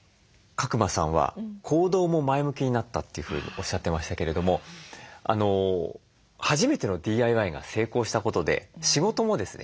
鹿熊さんは「行動も前向きになった」というふうにおっしゃってましたけれども初めてのＤＩＹが成功したことで仕事もですね